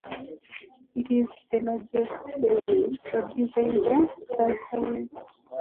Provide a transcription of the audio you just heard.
It is the largest cement producer in the sultanate.